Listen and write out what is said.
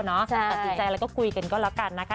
ติดใจแล้วก็คุยกันก็แล้วกันนะคะ